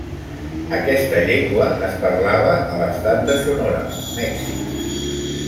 Aquesta llengua es parlava a l'estat de Sonora, Mèxic.